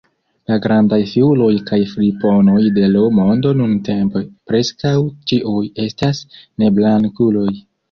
La grandaj fiuloj kaj friponoj de l’ mondo nuntempe preskaŭ ĉiuj estas neblankuloj.